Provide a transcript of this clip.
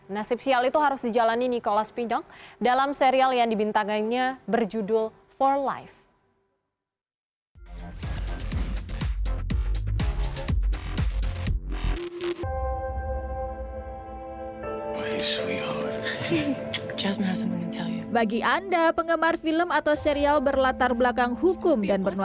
nasib sial itu harus dijalani nicholas pindong dalam serial yang dibintangannya berjudul for life